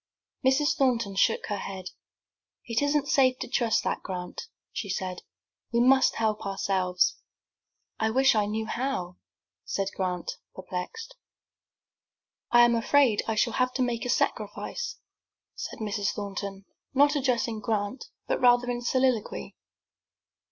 Mrs. Thornton shook her head. "It isn't safe to trust to that, Grant," she said; "we must help ourselves." "I wish I knew how," said Grant, perplexed. "I am afraid I shall have to make a sacrifice," said Mrs. Thornton, not addressing Grant, but rather in soliloquy.